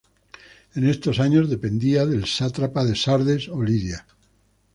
En estos años dependía del sátrapa de Sardes o Lidia.